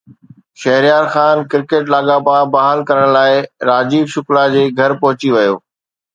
Shehryar Khan cricket لاڳاپا بحال ڪرڻ لاءِ راجيو شڪلا جي گهر پهچي ويو